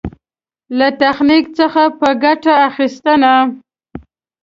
له تخنيک څخه په ګټه اخېستنه.